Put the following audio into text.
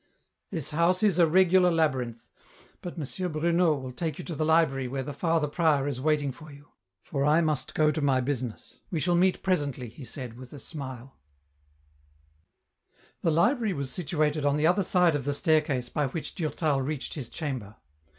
" This house is a regular labyrinth — but M. Bruno will take you to the library where the Father prior is waiting for you ; for I must go to my business. We shall meet presently," he said, with a smile. EN ROUTE. 291 The library was situated on the other side of the staircase by which Durtal reached his chamber.